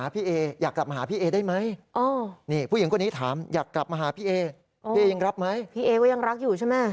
พี่เอก็ยังรักอยู่ใช่ไหม